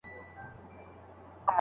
نورو کسانو ته د هغوی تېروتنې وبښئ.